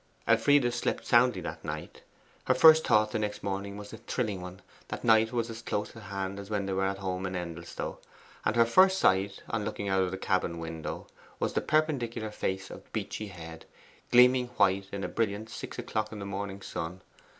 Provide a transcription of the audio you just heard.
Elfride slept soundly that night. Her first thought the next morning was the thrilling one that Knight was as close at hand as when they were at home at Endelstow, and her first sight, on looking out of the cabin window, was the perpendicular face of Beachy Head, gleaming white in a brilliant six o'clock in the morning sun.